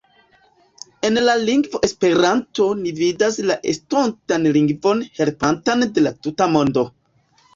En la lingvo « Esperanto » ni vidas la estontan lingvon helpantan de la tuta mondo.